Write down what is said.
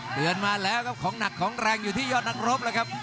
เตือนมาแล้วครับของหนักของแรงอยู่ที่ยอดนักรบแล้วครับ